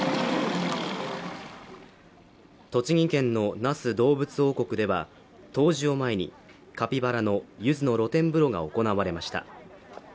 栃木県の那須どうぶつ王国では、冬至を前にカピバラのゆずの露天風呂が行われました。